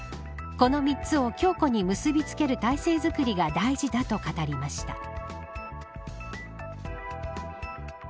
この３つを強固に結びつける体制づくりが大事だと語りました。